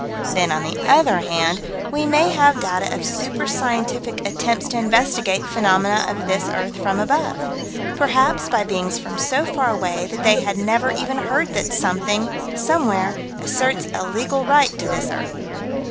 Then, on the other hand, we may have data of super scientific attempts to investigate phenomena of this earth from above perhaps by beings from so far away that they had never even heard that something, somewhere, asserts a legal right to this earth.